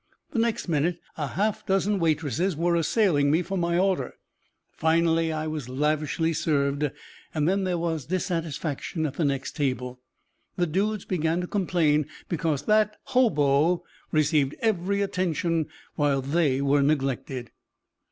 The next minute a half dozen waitresses were assailing me for my order. Finally I was lavishly served; then there was dissatisfaction at the next table. The dudes began to complain because that "hobo" received every attention while they were neglected.